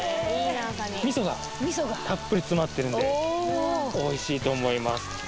味噌がたっぷり詰まってるんでおいしいと思います